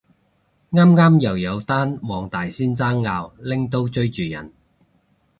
啱啱又有單黃大仙爭拗拎刀追住人